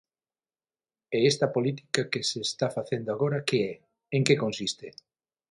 E esta política que se está facendo agora ¿que é?, ¿en que consiste?